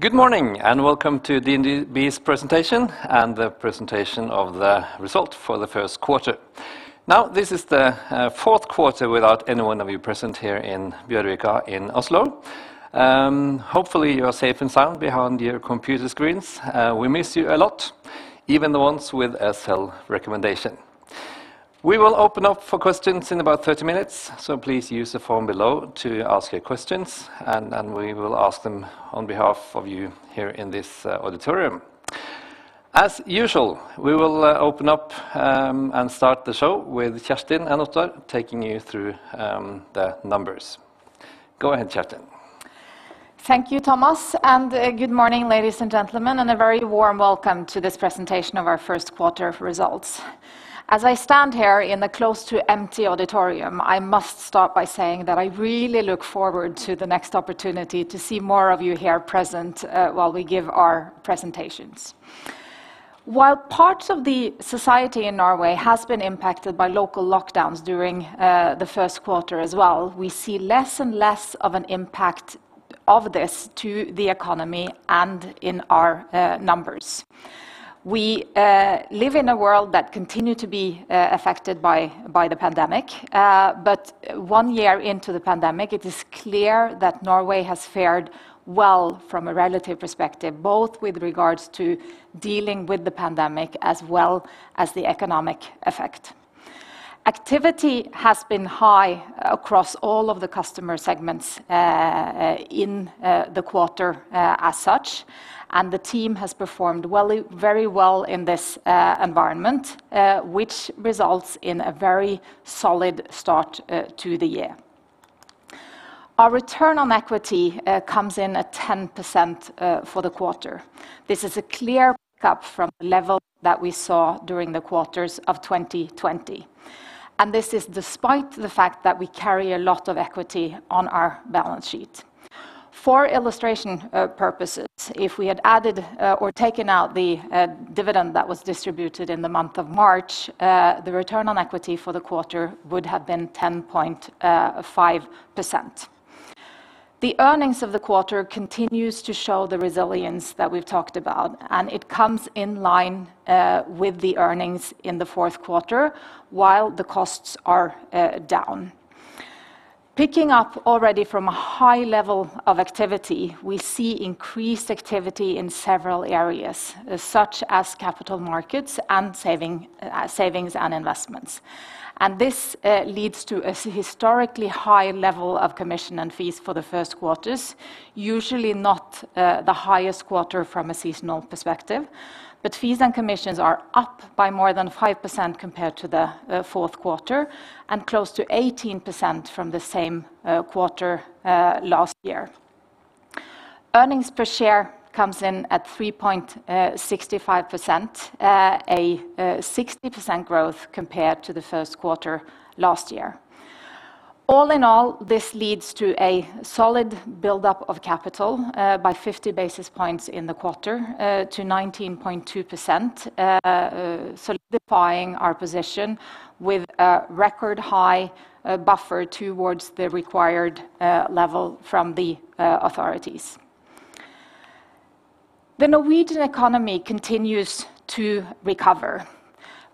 Good morning, welcome to DNB's presentation and the presentation of the result for the first quarter. Now, this is the fourth quarter without any one of you present here in Bjørvika in Oslo. Hopefully you are safe and sound behind your computer screens. We miss you a lot, even the ones with a sell recommendation. We will open up for questions in about 30 minutes, so please use the form below to ask your questions, and we will ask them on behalf of you here in this auditorium. As usual, we will open up and start the show with Kjerstin and Ottar taking you through the numbers. Go ahead, Kjerstin. Thank you, Thomas, and good morning, ladies and gentlemen, and a very warm welcome to this presentation of our first quarter of results. As I stand here in a close to empty auditorium, I must start by saying that I really look forward to the next opportunity to see more of you here present while we give our presentations. While parts of the society in Norway has been impacted by local lockdowns during the first quarter as well, we see less and less of an impact of this to the economy and in our numbers. We live in a world that continue to be affected by the pandemic. One year into the pandemic, it is clear that Norway has fared well from a relative perspective, both with regards to dealing with the pandemic as well as the economic effect. Activity has been high across all of the customer segments in the quarter as such, the team has performed very well in this environment, which results in a very solid start to the year. Our return on equity comes in at 10% for the quarter. This is a clear pickup from the level that we saw during the quarters of 2020, this is despite the fact that we carry a lot of equity on our balance sheet. For illustration purposes, if we had added or taken out the dividend that was distributed in the month of March, the return on equity for the quarter would have been 10.5%. The earnings of the quarter continues to show the resilience that we've talked about, it comes in line with the earnings in the fourth quarter, while the costs are down. Picking up already from a high level of activity, we see increased activity in several areas, such as capital markets and savings and investments. This leads to a historically high level of commission and fees for the first quarter, usually not the highest quarter from a seasonal perspective, but fees and commissions are up by more than 5% compared to the fourth quarter, and close to 18% from the same quarter last year. Earnings per share comes in at 3.65%, a 60% growth compared to the first quarter last year. All in all, this leads to a solid buildup of capital by 50 basis points in the quarter, to 19.2%, solidifying our position with a record high buffer towards the required level from the authorities. The Norwegian economy continues to recover.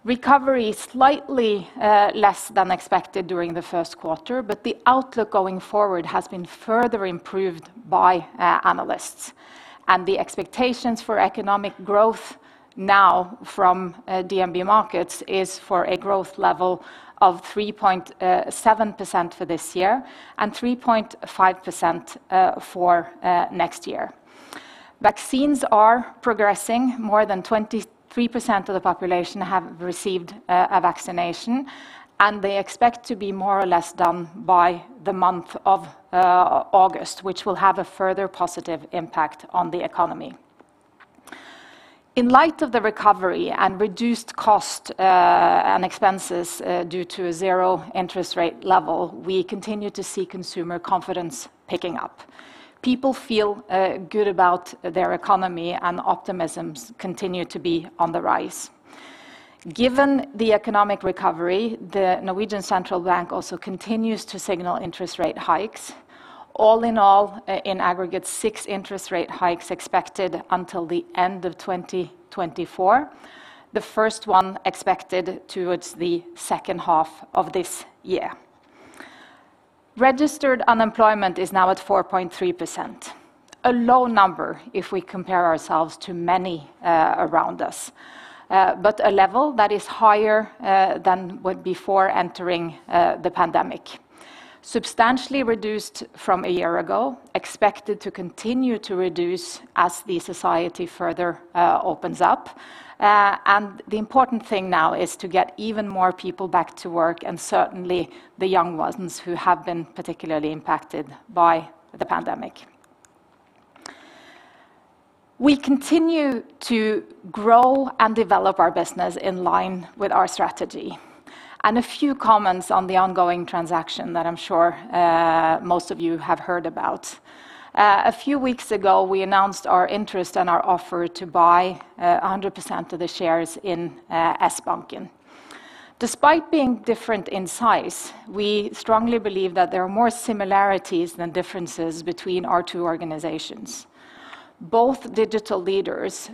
Recovery slightly less than expected during the first quarter, but the outlook going forward has been further improved by analysts, and the expectations for economic growth now from DNB Markets is for a growth level of 3.7% for this year and 3.5% for next year. Vaccines are progressing. More than 23% of the population have received a vaccination, and they expect to be more or less done by the month of August, which will have a further positive impact on the economy. In light of the recovery and reduced cost and expenses due to a zero interest rate level, we continue to see consumer confidence picking up. People feel good about their economy, and optimisms continue to be on the rise. Given the economic recovery, Norwegian Central Bank also continues to signal interest rate hikes. All in all, in aggregate, six interest rate hikes expected until the end of 2024. The first one expected towards the second half of this year. Registered unemployment is now at 4.3%, a low number if we compare ourselves to many around us, but a level that is higher than before entering the pandemic. Substantially reduced from a year ago, expected to continue to reduce as the society further opens up. The important thing now is to get even more people back to work, and certainly the young ones who have been particularly impacted by the pandemic. We continue to grow and develop our business in line with our strategy. A few comments on the ongoing transaction that I am sure most of you have heard about. A few weeks ago, we announced our interest and our offer to buy 100% of the shares in Sbanken. Despite being different in size, we strongly believe that there are more similarities than differences between our two organizations. Both digital leaders,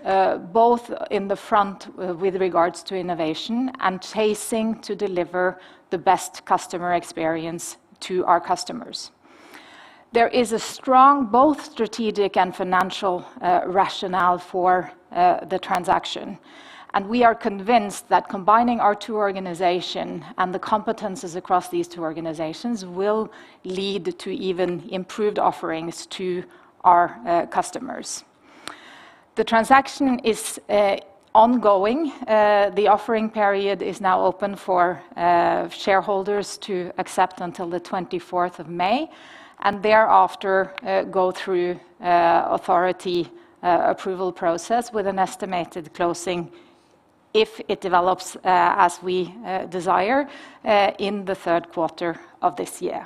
both in the front with regards to innovation, chasing to deliver the best customer experience to our customers. There is a strong, both strategic and financial rationale for the transaction, we are convinced that combining our two organization and the competences across these two organizations will lead to even improved offerings to our customers. The transaction is ongoing. The offering period is now open for shareholders to accept until the May 24th, thereafter go through authority approval process with an estimated closing, if it develops as we desire, in the third quarter of this year.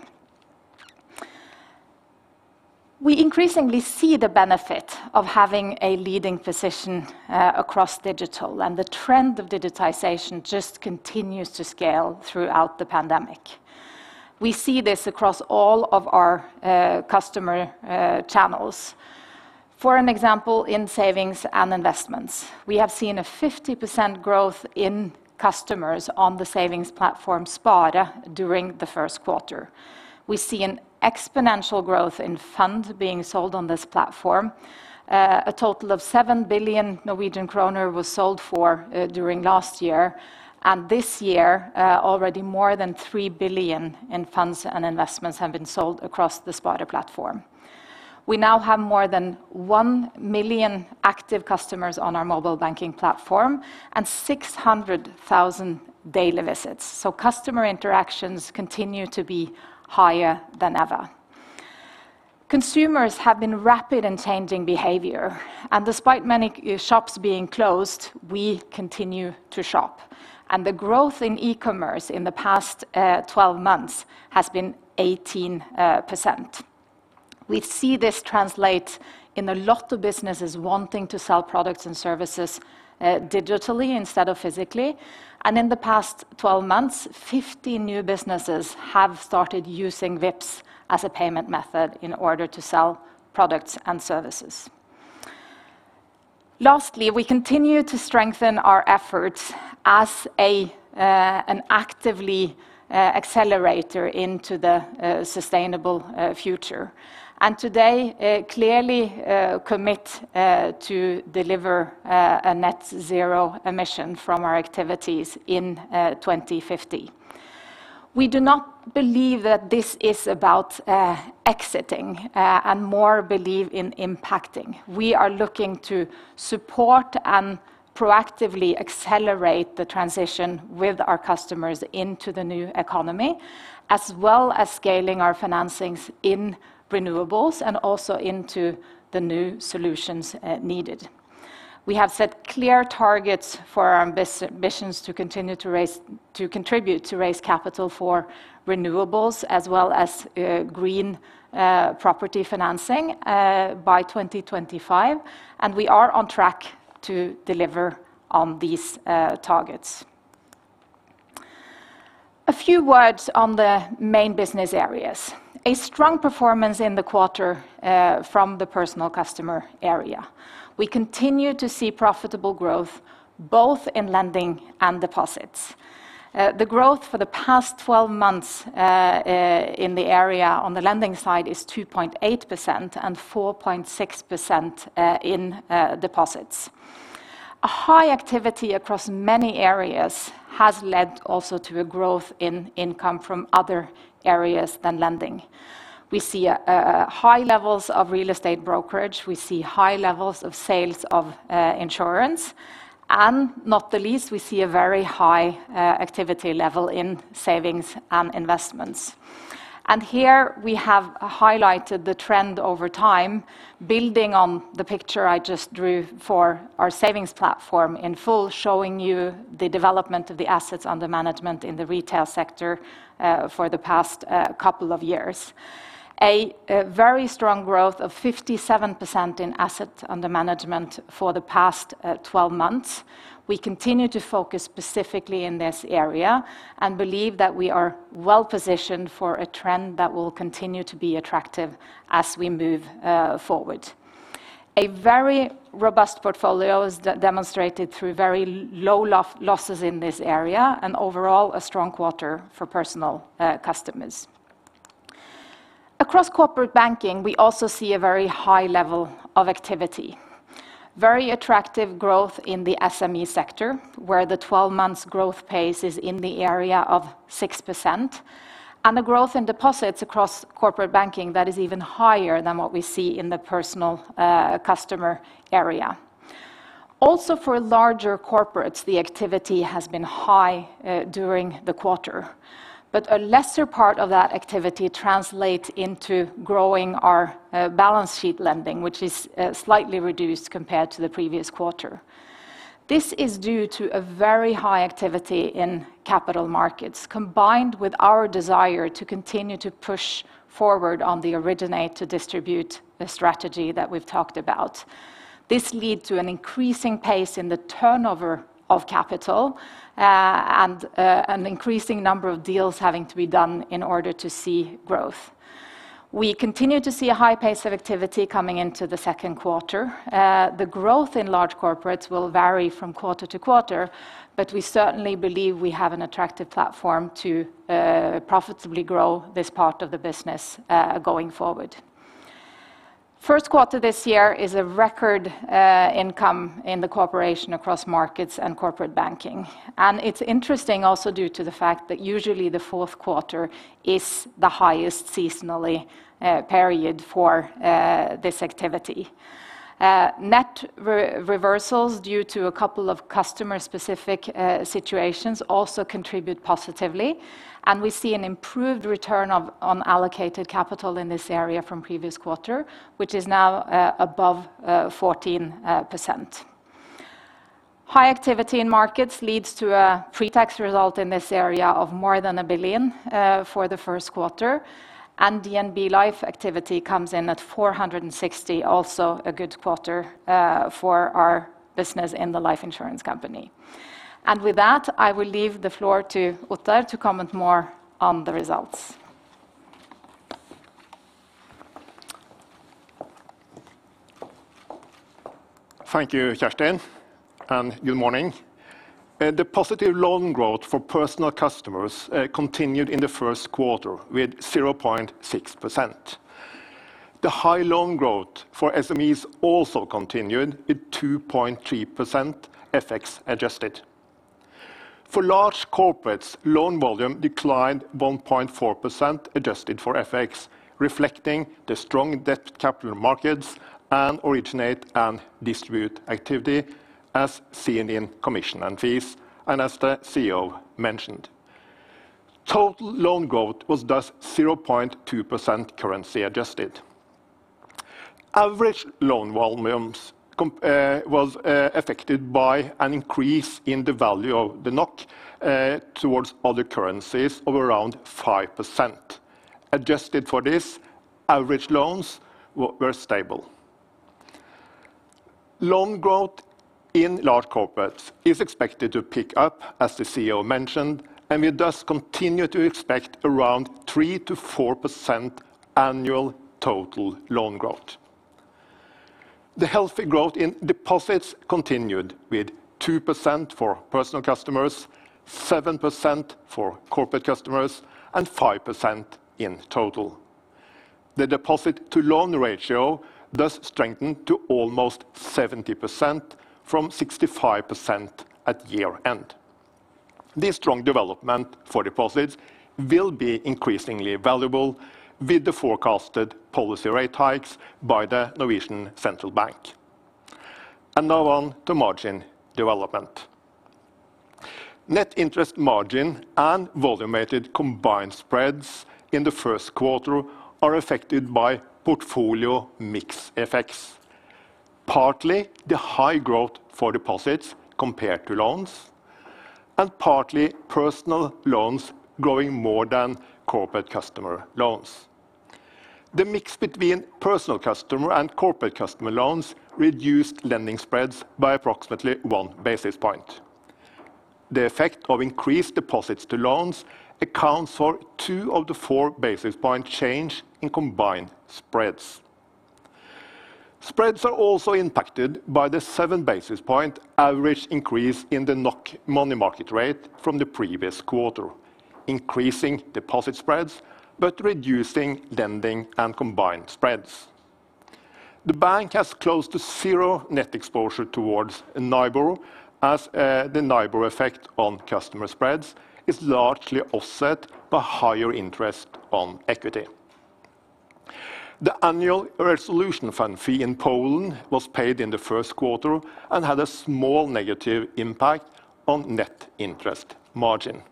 We increasingly see the benefit of having a leading position across digital, the trend of digitization just continues to scale throughout the pandemic. We see this across all of our customer channels. For example, in savings and investments, we have seen a 50% growth in customers on the savings platform, Spare, during the first quarter. We see an exponential growth in funds being sold on this platform. A total of 7 billion Norwegian kroner was sold for during last year, this year, already more than 3 billion in funds and investments have been sold across the Spare platform. We now have more than 1 million active customers on our mobile banking platform, 600,000 daily visits. Customer interactions continue to be higher than ever. Consumers have been rapid in changing behavior, despite many shops being closed, we continue to shop. The growth in e-commerce in the past 12 months has been 18%. We see this translate in a lot of businesses wanting to sell products and services digitally instead of physically. In the past 12 months, 50 new businesses have started using Vipps as a payment method in order to sell products and services. Lastly, we continue to strengthen our efforts as an actively accelerator into the sustainable future. Today, clearly commit to deliver a net zero emission from our activities in 2050. We do not believe that this is about exiting, and more believe in impacting. We are looking to support and proactively accelerate the transition with our customers into the new economy, as well as scaling our financings in renewables, and also into the new solutions needed. We have set clear targets for our ambitions to continue to contribute to raise capital for renewables, as well as green property financing by 2025, and we are on track to deliver on these targets. A few words on the main business areas. A strong performance in the quarter from the personal customer area. We continue to see profitable growth both in lending and deposits. The growth for the past 12 months in the area on the lending side is 2.8%, and 4.6% in deposits. A high activity across many areas has led also to a growth in income from other areas than lending. We see high levels of real estate brokerage. We see high levels of sales of insurance. Not the least, we see a very high activity level in savings and investments. Here we have highlighted the trend over time, building on the picture I just drew for our savings platform in full, showing you the development of the assets under management in the retail sector for the past couple of years. A very strong growth of 57% in assets under management for the past 12 months. We continue to focus specifically in this area, and believe that we are well positioned for a trend that will continue to be attractive as we move forward. A very robust portfolio is demonstrated through very low losses in this area, and overall, a strong quarter for personal customers. Across corporate banking, we also see a very high level of activity. Very attractive growth in the SME sector, where the 12 months growth pace is in the area of 6%, and a growth in deposits across corporate banking that is even higher than what we see in the personal customer area. Also, for larger corporates, the activity has been high during the quarter. A lesser part of that activity translates into growing our balance sheet lending, which is slightly reduced compared to the previous quarter. This is due to a very high activity in capital markets, combined with our desire to continue to push forward on the originate to distribute strategy that we've talked about. This lead to an increasing pace in the turnover of capital, and an increasing number of deals having to be done in order to see growth. We continue to see a high pace of activity coming into the second quarter. The growth in large corporates will vary from quarter to quarter, but we certainly believe we have an attractive platform to profitably grow this part of the business going forward. First quarter this year is a record income in the corporation across markets and corporate banking. It's interesting also due to the fact that usually the fourth quarter is the highest seasonally period for this activity. Net reversals, due to a couple of customer-specific situations, also contribute positively, and we see an improved return on allocated capital in this area from previous quarter, which is now above 14%. High activity in markets leads to a pre-tax result in this area of more than 1 billion for the first quarter. DNB Life activity comes in at 460 million, also a good quarter for our business in the life insurance company. With that, I will leave the floor to Ottar to comment more on the results. Thank you, Kjerstin, and good morning. The positive loan growth for personal customers continued in the first quarter with 0.6%. The high loan growth for SMEs also continued, with 2.3% FX adjusted. For large corporates, loan volume declined 1.4%, adjusted for FX, reflecting the strong debt capital markets and originate to distribute activity as seen in commission and fees, and as the CEO mentioned. Total loan growth was thus 0.2% currency adjusted. Average loan volumes was affected by an increase in the value of the NOK towards other currencies of around 5%. Adjusted for this, average loans were stable. Loan growth in large corporates is expected to pick up, as the CEO mentioned, and we thus continue to expect around 3%-4% annual total loan growth. The healthy growth in deposits continued with 2% for personal customers, 7% for corporate customers, and 5% in total. The deposit to loan ratio thus strengthened to almost 70% from 65% at year-end. This strong development for deposits will be increasingly valuable with the forecasted policy rate hikes by Norwegian Central Bank. Now on to margin development. Net interest margin and volume-weighted combined spreads in the first quarter are affected by portfolio mix effects. Partly, the high growth for deposits compared to loans, and partly personal loans growing more than corporate customer loans. The mix between personal customer and corporate customer loans reduced lending spreads by approximately 1 basis point. The effect of increased deposits to loans accounts for 2 of the 4 basis point change in combined spreads. Spreads are also impacted by the 7 basis point average increase in the NOK money market rate from the previous quarter, increasing deposit spreads, but reducing lending and combined spreads. The bank has close to zero net exposure towards NIBOR, as the NIBOR effect on customer spreads is largely offset by higher interest on equity. The annual resolution fund fee in Poland was paid in the first quarter and had a small negative impact on net interest margin.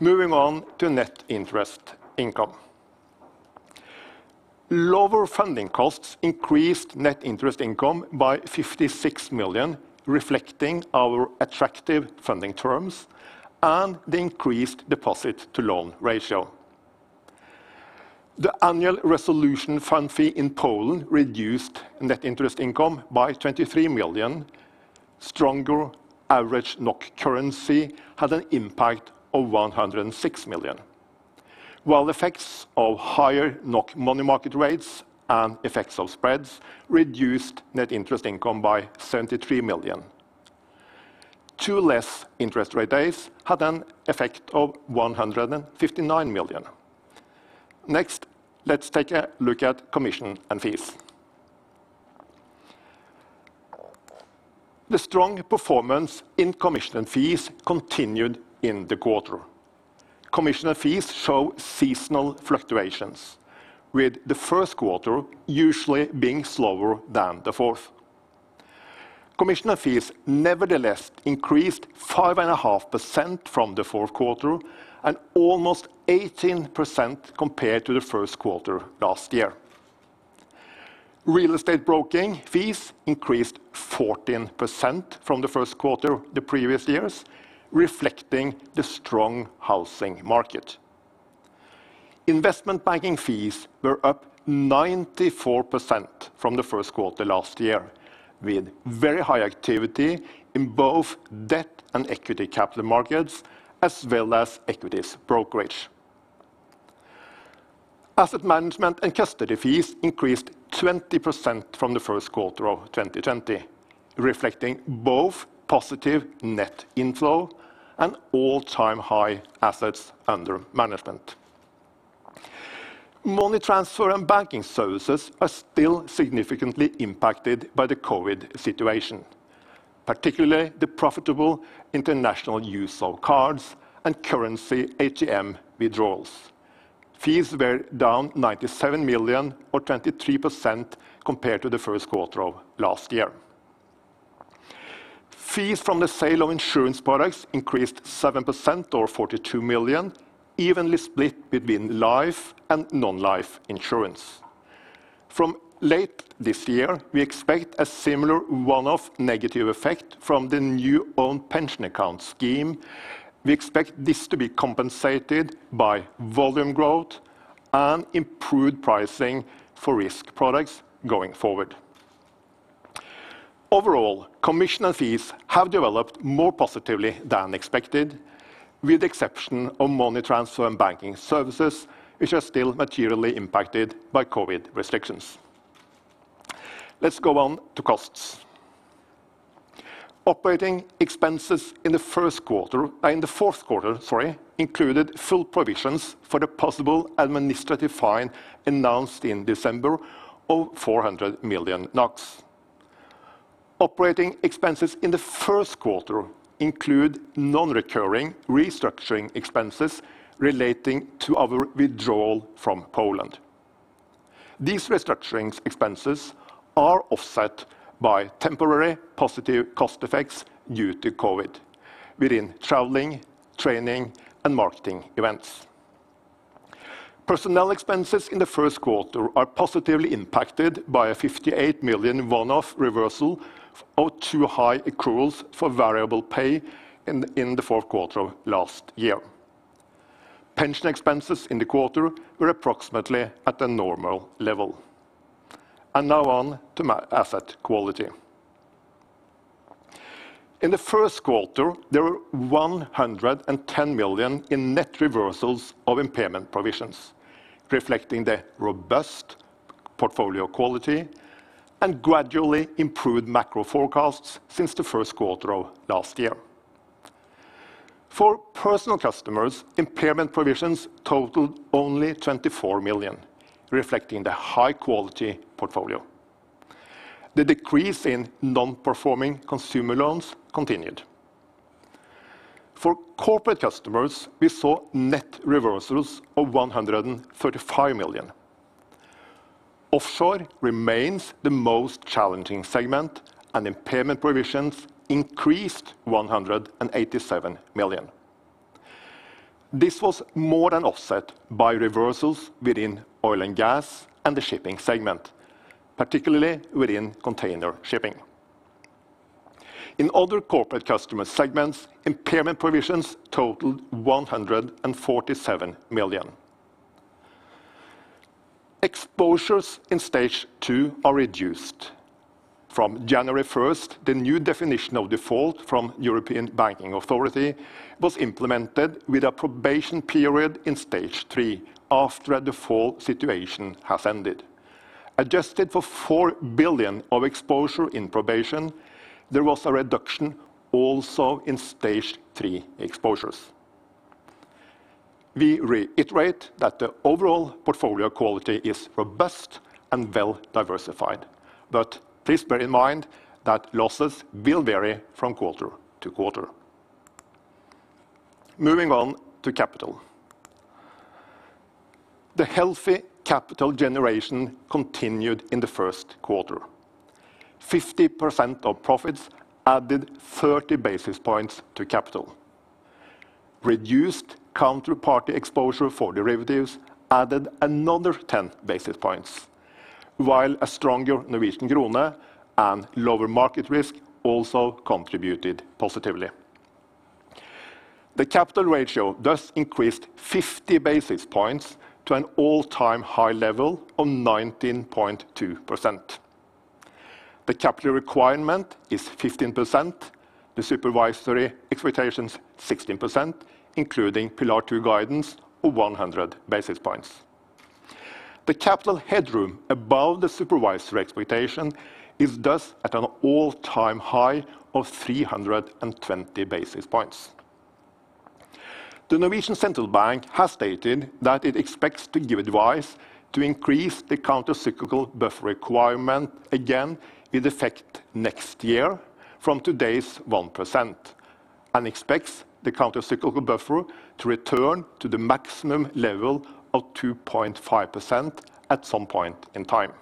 Moving on to net interest income. Lower funding costs increased net interest income by 56 million, reflecting our attractive funding terms and the increased deposit to loan ratio. The annual resolution fund fee in Poland reduced net interest income by 23 million. Stronger average NOK currency had an impact of 106 million. Effects of higher NOK money market rates and effects of spreads reduced net interest income by 73 million. Two less interest rate days had an effect of 159 million. Next, let's take a look at commission and fees. The strong performance in commission and fees continued in the quarter. Commission and fees show seasonal fluctuations, with the first quarter usually being slower than the fourth. Commission and fees nevertheless increased 5.5% from the fourth quarter and almost 18% compared to the first quarter last year. Real estate broking fees increased 14% from the first quarter the previous years, reflecting the strong housing market. Investment banking fees were up 94% from the first quarter last year, with very high activity in both debt and equity capital markets, as well as equities brokerage. Asset management and custody fees increased 20% from the first quarter of 2020, reflecting both positive net inflow and all-time high assets under management. Money transfer and banking services are still significantly impacted by the COVID situation, particularly the profitable international use of cards and currency ATM withdrawals. Fees were down 97 million, or 23%, compared to the first quarter of last year. Fees from the sale of insurance products increased 7%, or 42 million, evenly split between life and non-life insurance. From late this year, we expect a similar one-off negative effect from the new own pension account scheme. We expect this to be compensated by volume growth and improved pricing for risk products going forward. Overall, commission and fees have developed more positively than expected, with the exception of money transfer and banking services, which are still materially impacted by COVID restrictions. Let's go on to costs. Operating expenses in the fourth quarter included full provisions for the possible administrative fine announced in December of 400 million NOK. Operating expenses in the first quarter include non-recurring restructuring expenses relating to our withdrawal from Poland. These restructuring expenses are offset by temporary positive cost effects due to COVID within traveling, training, and marketing events. Personnel expenses in the first quarter are positively impacted by a 58 million one-off reversal of two high accruals for variable pay in the fourth quarter of last year. Pension expenses in the quarter were approximately at the normal level. Now on to asset quality. In the first quarter, there were 110 million in net reversals of impairment provisions, reflecting the robust portfolio quality and gradually improved macro forecasts since the first quarter of last year. For personal customers, impairment provisions totaled only 24 million, reflecting the high-quality portfolio. The decrease in non-performing consumer loans continued. For corporate customers, we saw net reversals of 135 million. Offshore remains the most challenging segment, and impairment provisions increased 187 million. This was more than offset by reversals within oil and gas and the shipping segment, particularly within container shipping. In other corporate customer segments, impairment provisions totaled NOK 147 million. Exposures in Stage 2 are reduced. From January 1st, the new definition of default from European Banking Authority was implemented with a probation period in Stage 3 after a default situation has ended. Adjusted for 4 billion of exposure in probation, there was a reduction also in Stage 3 exposures. We reiterate that the overall portfolio quality is robust and well diversified. Please bear in mind that losses will vary from quarter to quarter. Moving on to capital. The healthy capital generation continued in the first quarter. 50% of profits added 30 basis points to capital. Reduced counterparty exposure for derivatives added another 10 basis points, while a stronger Norwegian krone and lower market risk also contributed positively. The capital ratio thus increased 50 basis points to an all-time high level of 19.2%. The capital requirement is 15%, the supervisory expectations 16%, including Pillar 2 guidance of 100 basis points. The capital headroom above the supervisory expectation is thus at an all-time high of 320 basis points. Norwegian Central Bank has stated that it expects to give advice to increase the countercyclical buffer requirement again with effect next year from today's 1% and expects the countercyclical buffer to return to the maximum level of 2.5% at some point in time.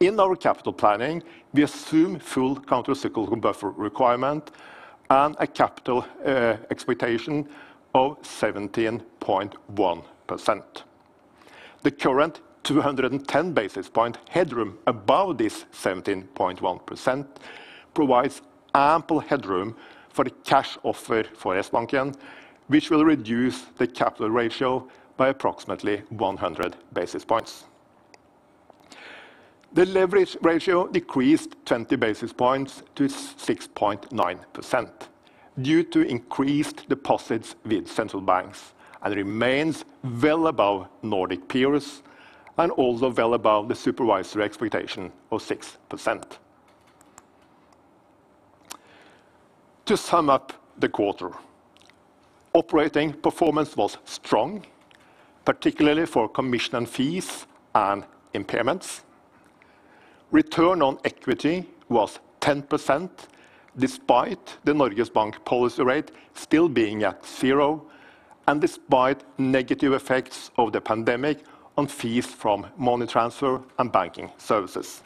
In our capital planning, we assume full countercyclical buffer requirement and a capital expectation of 17.1%. The current 210 basis point headroom above this 17.1% provides ample headroom for the cash offer for Sbanken, which will reduce the capital ratio by approximately 100 basis points. The leverage ratio decreased 20 basis points to 6.9% due to increased deposits with central banks, and remains well above Nordic peers and also well above the supervisor expectation of 6%. To sum up the quarter, operating performance was strong, particularly for commission and fees and impairments. Return on equity was 10%, despite the Norges Bank policy rate still being at zero, and despite negative effects of the pandemic on fees from money transfer and banking services.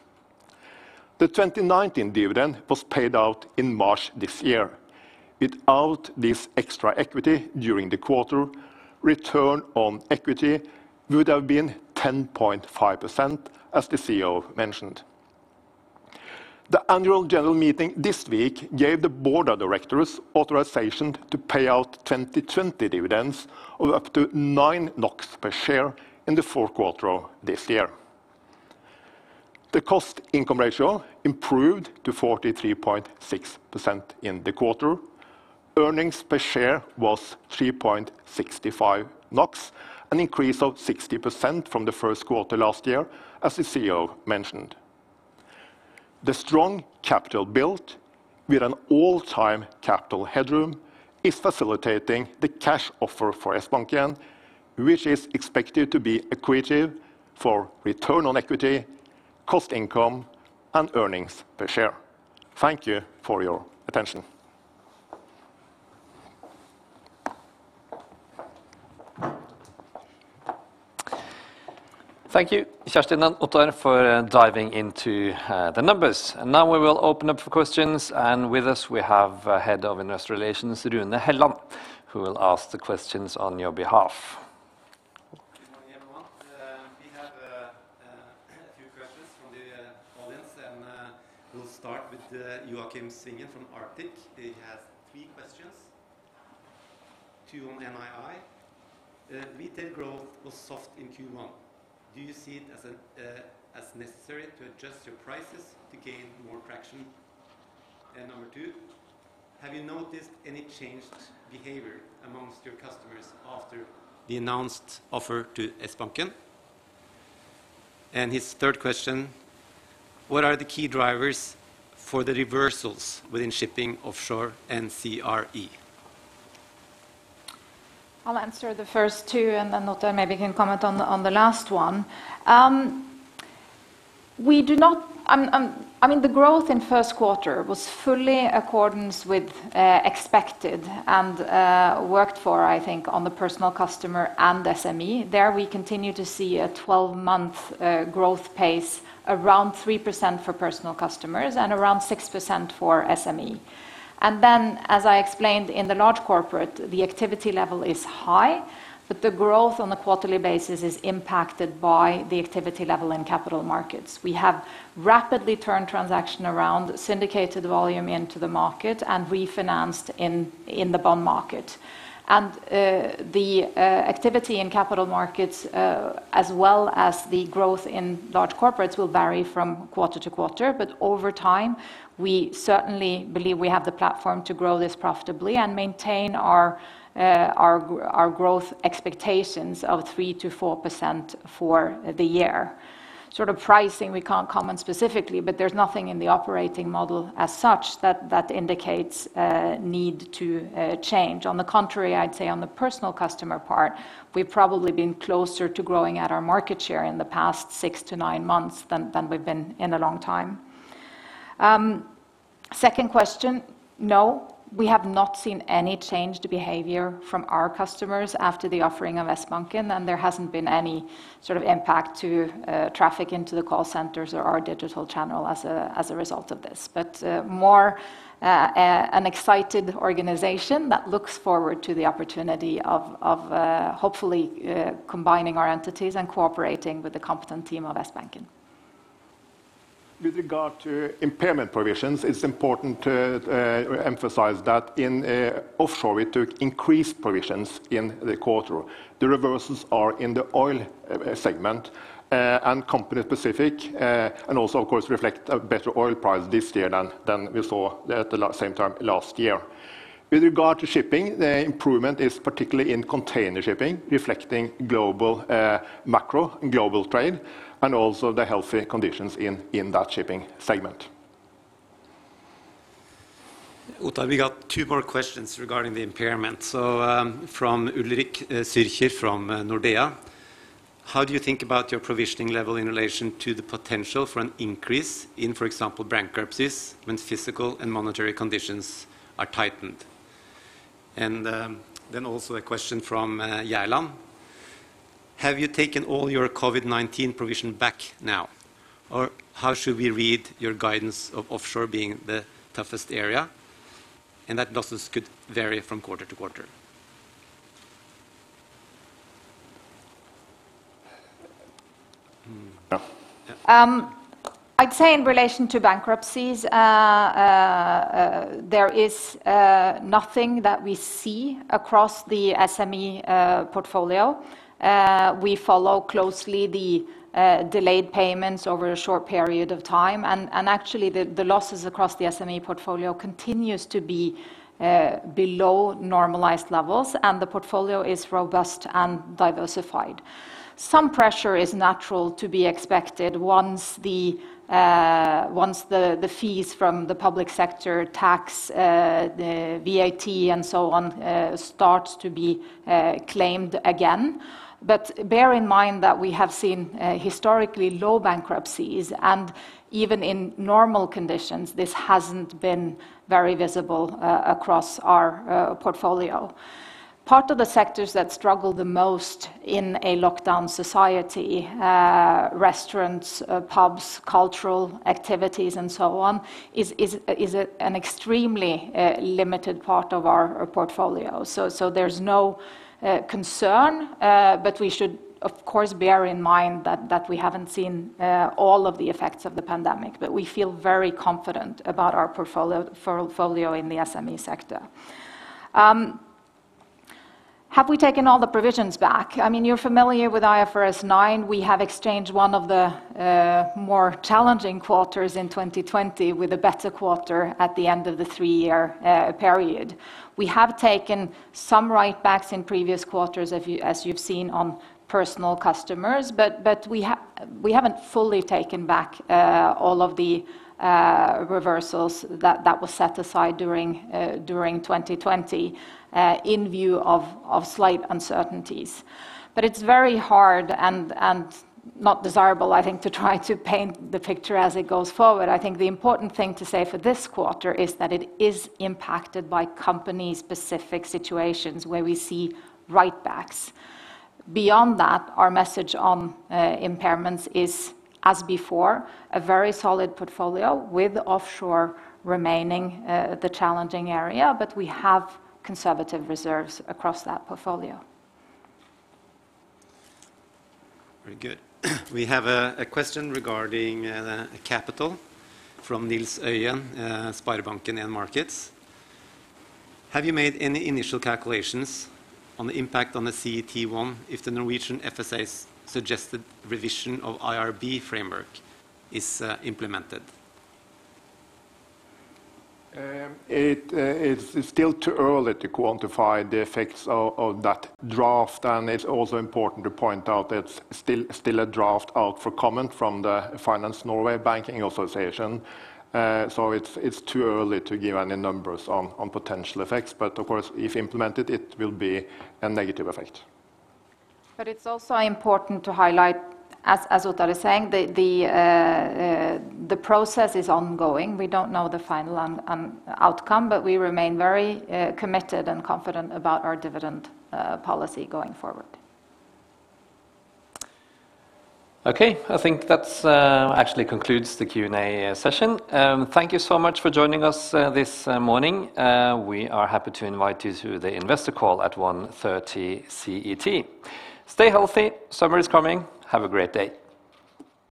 The 2019 dividend was paid out in March this year. Without this extra equity during the quarter, return on equity would have been 10.5%, as the CEO mentioned. The annual general meeting this week gave the board of directors authorization to pay out 2020 dividends of up to 9 NOK per share in the fourth quarter this year. The cost income ratio improved to 43.6% in the quarter. Earnings per share was 3.65 NOK, an increase of 60% from the first quarter last year, as the CEO mentioned. The strong capital build, with an all-time capital headroom, is facilitating the cash offer for Sbanken, which is expected to be accretive for return on equity, cost income, and earnings per share. Thank you for your attention. Thank you, Kjerstin and Ottar, for diving into the numbers. Now we will open up for questions. With us, we have Head of Investor Relations, Rune Helland, who will ask the questions on your behalf. Good morning, everyone. We have a few questions from the audience, we'll start with Joakim Svingen from Arctic. He has three questions, two on NII. Retail growth was soft in Q1. Do you see it as necessary to adjust your prices to gain more traction? Number two, have you noticed any changed behavior amongst your customers after the announced offer to Sbanken? His third question, what are the key drivers for the reversals within shipping offshore and CRE? I'll answer the first two, then Ottar maybe can comment on the last one. The growth in first quarter was fully accordance with expected and worked for, I think, on the personal customer and SME. There, we continue to see a 12-month growth pace around 3% for personal customers and around 6% for SME. As I explained, in the large corporate, the activity level is high, but the growth on the quarterly basis is impacted by the activity level in capital markets. We have rapidly turned transaction around, syndicated volume into the market, and refinanced in the bond market. The activity in capital markets, as well as the growth in large corporates, will vary from quarter to quarter. Over time, we certainly believe we have the platform to grow this profitably and maintain our growth expectations of 3%-4% for the year. Pricing we can't comment specifically, but there's nothing in the operating model as such that indicates a need to change. On the contrary, I'd say on the personal customer part, we've probably been closer to growing at our market share in the past six to nine months than we've been in a long time. Second question, no, we have not seen any changed behavior from our customers after the offering of Sbanken, and there hasn't been any impact to traffic into the call centers or our digital channel as a result of this. More an excited organization that looks forward to the opportunity of hopefully combining our entities and cooperating with the competent team of Sbanken. With regard to impairment provisions, it's important to emphasize that in offshore, we took increased provisions in the quarter. The reversals are in the oil segment and company specific, and also of course, reflect a better oil price this year than we saw at the same time last year. With regard to shipping, the improvement is particularly in container shipping, reflecting global macro and global trade, and also the healthy conditions in that shipping segment. Ottar, we got two more questions regarding the impairment. From Ulrik Zürcher from Nordea, how do you think about your provisioning level in relation to the potential for an increase in, for example, bankruptcies when fiscal and monetary conditions are tightened? Also a question from Gerland. Have you taken all your COVID-19 provision back now? Or how should we read your guidance of offshore being the toughest area, and that losses could vary from quarter to quarter? I'd say in relation to bankruptcies, there is nothing that we see across the SME portfolio. We follow closely the delayed payments over a short period of time, and actually, the losses across the SME portfolio continues to be below normalized levels, and the portfolio is robust and diversified. Some pressure is natural to be expected once the fees from the public sector tax, the VAT and so on, starts to be claimed again. Bear in mind that we have seen historically low bankruptcies, and even in normal conditions, this hasn't been very visible across our portfolio. Part of the sectors that struggle the most in a lockdown society, restaurants, pubs, cultural activities, and so on, is an extremely limited part of our portfolio. There's no concern, but we should of course, bear in mind that we haven't seen all of the effects of the pandemic. We feel very confident about our portfolio in the SME sector. Have we taken all the provisions back? You're familiar with IFRS 9. We have exchanged one of the more challenging quarters in 2020 with a better quarter at the end of the three-year period. We have taken some write-backs in previous quarters, as you've seen on personal customers. We haven't fully taken back all of the reversals that was set aside during 2020 in view of slight uncertainties. It's very hard and not desirable, I think, to try to paint the picture as it goes forward. I think the important thing to say for this quarter is that it is impacted by company specific situations where we see write-backs. Beyond that, our message on impairments is, as before, a very solid portfolio with offshore remaining the challenging area, but we have conservative reserves across that portfolio. Very good. We have a question regarding capital from Nils Øyen, SpareBank 1 Markets. Have you made any initial calculations on the impact on the CET1 if the Norwegian FSA's suggested revision of IRB framework is implemented? It is still too early to quantify the effects of that draft. It's also important to point out that it's still a draft out for comment from the Finance Norway Banking Association. It's too early to give any numbers on potential effects. Of course, if implemented, it will be a negative effect. It's also important to highlight, as Ottar is saying, the process is ongoing. We don't know the final outcome, but we remain very committed and confident about our dividend policy going forward. Okay, I think that actually concludes the Q&A session. Thank you so much for joining us this morning. We are happy to invite you to the investor call at 1:30 CET. Stay healthy. Summer is coming. Have a great day.